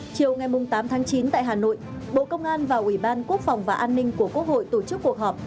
chiều ngày tám tháng chín tại hà nội bộ công an và ủy ban quốc phòng và an ninh của quốc hội tổ chức cuộc họp